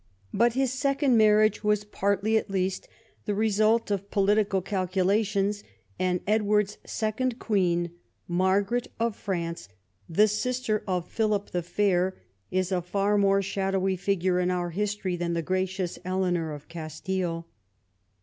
But his second marriage was partly at least the result of political calculations ; and Edward's second queen, Margaret of France, the sister of Philip the Fair, is a far more shadowy figure in our history than the gracious Eleanor of Castile.